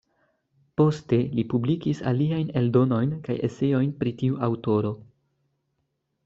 Poste li publikis aliajn eldonojn kaj eseojn pri tiu aŭtoro.